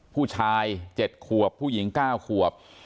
ผู้ชาย๗ขวบผู้หญิง๙ขวบ